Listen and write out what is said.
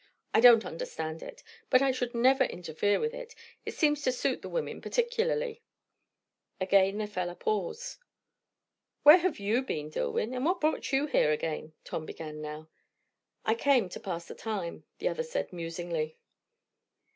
I don't understand it; but I should never interfere with it. It seems to suit the women particularly." Again there fell a pause. "Where have you been, Dillwyn? and what brought you here again?" Tom began now. "I came to pass the time," the other said musingly.